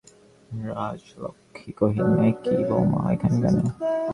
রাজলক্ষ্মী কহিলেন, এ কী বউমা, এখানে কেন।